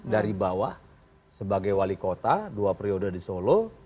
dari bawah sebagai wali kota dua periode di solo